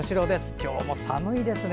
今日も寒いですね。